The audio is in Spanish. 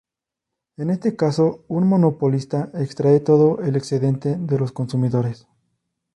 En este caso, un monopolista extrae todo el excedente de los consumidores.